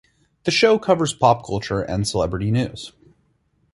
The show covers pop culture and celebrity news.